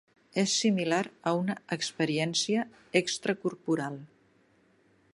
És similar a una experiència extracorporal.